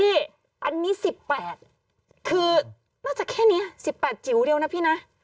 อันนี้๑๘คือน่าจะแค่นี้๑๘จิ๋วเดียวนะพี่นะ